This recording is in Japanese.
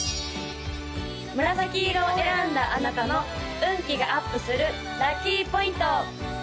紫色を選んだあなたの運気がアップするラッキーポイント！